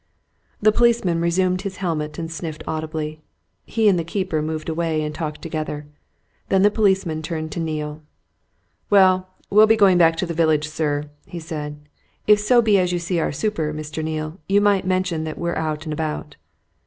The policeman resumed his helmet and sniffed audibly. He and the keeper moved away and talked together. Then the policeman turned to Neale. "Well, we'll be getting back to the village, sir," he said. "If so be as you see our super, Mr. Neale, you might mention that we're out and about."